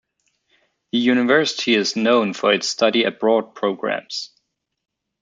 The University is known for its study abroad programs.